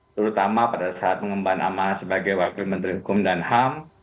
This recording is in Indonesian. terutama pada saat pengemban amanah sebagai wakil menteri hukum dan ham